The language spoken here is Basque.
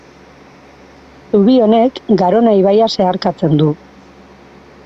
Zubi honek Garona ibaia zeharkatzen du.